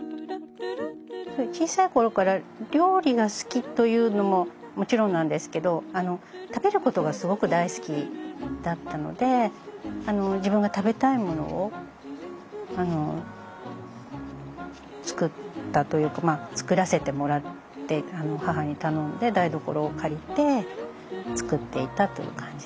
小さい頃から料理が好きというのももちろんなんですけど食べることがすごく大好きだったので自分が食べたいものを作ったというか作らせてもらって母に頼んで台所を借りて作っていたという感じですね。